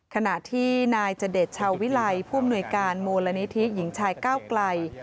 ขณะที่นายจเดชชาววิลัยผู้อำนวยการมูลนิธิหญิงชายก้าวไกล